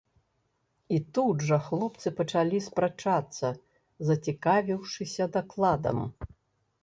І тут жа хлопцы пачалі спрачацца, зацікавіўшыся дакладам.